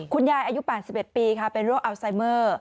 คุณยายอายุ๘๑ปีเป็นโรคอัลไซเมอร์